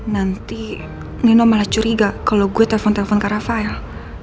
nanti nino malah curiga kalau gue telepon telepon ke rafael